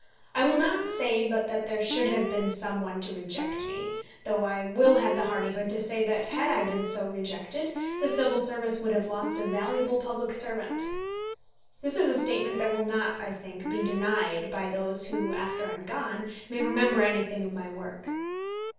I will not say but that there should have been some one to reject me, though I will have the hardihood to say that, had I been so rejected, the Civil Service would have lost a valuable public servant. This is a statement that will not, I think, be denied by those who, after I am gone, may remember anything of my work.